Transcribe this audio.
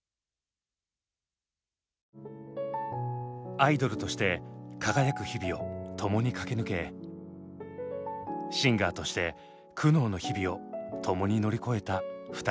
アイドルとして輝く日々をともに駆け抜けシンガーとして苦悩の日々をともに乗り越えた２人。